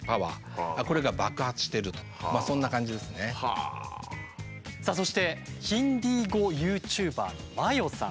桁違いのさあそしてヒンディー語ＹｏｕＴｕｂｅｒのＭａｙｏさん。